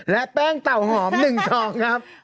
และแป้งเต่าหอม๑ชองครับ